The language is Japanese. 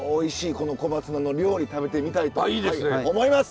この小松菜の料理食べてみたいと思います！